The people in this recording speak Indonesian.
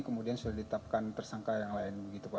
kemudian sudah ditetapkan tersangka yang lain